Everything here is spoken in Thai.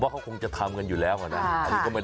ใช่หนึ่งไหนเอานั่นหน้าแหง้นน่ะเห็นไหม